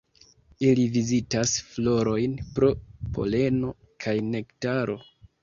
Ili vizitas florojn pro poleno kaj nektaro.